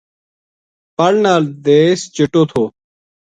پل نال دیس چِٹو تھو